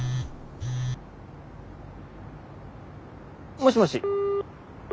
もしもし。